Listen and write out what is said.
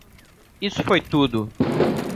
Isso foi tudo.